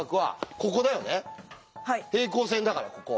平行線だからここ。